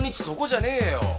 そこじゃねえよ。